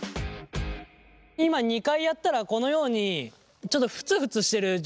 今２回やったらこのようにちょっとふつふつしてる状態なんですけど。